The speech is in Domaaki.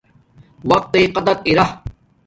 وقت تݵ قدر ارہ